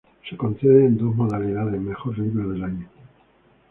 Se concede en dos modalidades mejor libro del año.